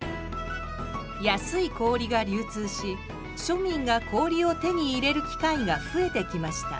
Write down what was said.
安い氷が流通し庶民が氷を手に入れる機会が増えてきました。